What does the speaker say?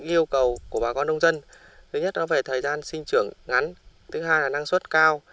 yêu cầu của bà con nông dân thứ nhất là về thời gian sinh trưởng ngắn thứ hai là năng suất cao